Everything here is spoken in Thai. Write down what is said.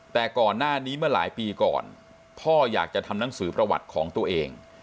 แต่ก่อนหน้านี้เมื่อหลายปีก่อนพ่ออยากจะทำหนังสือประวัติของตัวเอง